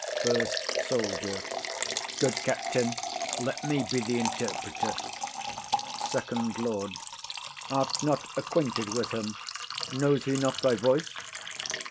FIRST SOLDIER. Good captain, let me be th' interpreter. FIRST LORD. Art not acquainted with him? Knows he not thy voice?